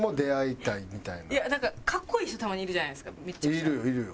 なんか格好いい人たまにいるじゃないですかめちゃくちゃ。